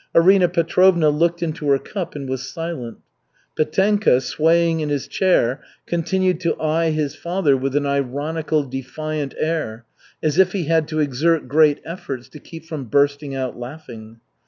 Arina Petrovna looked into her cup and was silent. Petenka, swaying in his chair, continued to eye his father with an ironical, defiant air, as if he had to exert great efforts to keep from bursting out laughing.